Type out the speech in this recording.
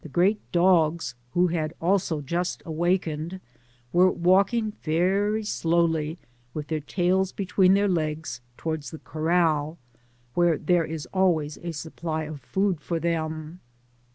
great do^, who had also just awakened, were walking very slowly with their tails between their legs towards the corrdl, where there is always a supply of food for them.